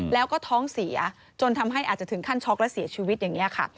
แล้วก็ท้องเสียจนทำให้อาจจะถึงขั้นช็อกและเสียชีวิตอย่างนี้ค่ะ